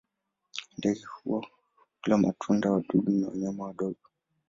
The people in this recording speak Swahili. Ndege hawa hula matunda, wadudu na wanyama wadogo.